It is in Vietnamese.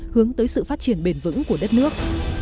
hướng tới sự phát triển bền vững của đất nước